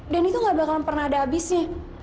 dan itu gak bakalan pernah ada abisnya